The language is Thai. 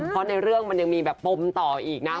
เพราะในเรื่องมันยังมีแบบปมต่ออีกนะ